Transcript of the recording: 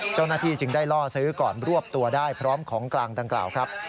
เจ้าหน้าที่จึงได้ล่อซื้อก่อนรวบตัวได้พร้อมของกลางดังกล่าวครับ